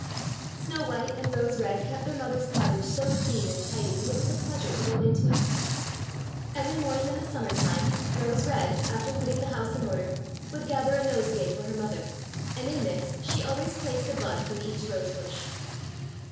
Snow white and Rose red kept their mother's cottage so clean and tidy that it was a pleasure to go into it. Every morning in the summer time Rose red, after putting the house in order, would gather a nose gay for her mother, and in this she always placed a bud from each rosebush.